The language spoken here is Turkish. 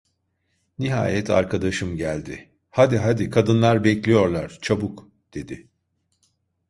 Nihayet arkadaşım geldi: "Hadi, hadi, kadınlar bekliyorlar, çabuk!" dedi.